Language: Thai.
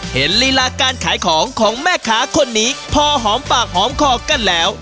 ลีลาการขายของของแม่ค้าคนนี้พอหอมปากหอมคอกันแล้ว